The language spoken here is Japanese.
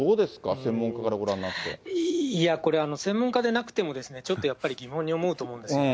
専門家かいやこれ、専門家でなくても、ちょっとやっぱり疑問に思うと思うんですね。